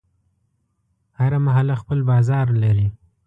هره محله خپل بازار لري.